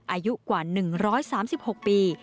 อายุกว่า๑๓๖ปี